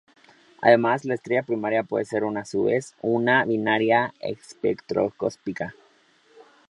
Además, la estrella primaria puede ser, a su vez, una binaria espectroscópica.